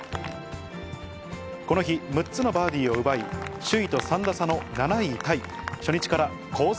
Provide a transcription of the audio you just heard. この日、６つのバーディーを奪い、首位と３打差の７位タイ。